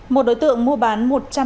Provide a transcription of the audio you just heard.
một đối tượng mua bán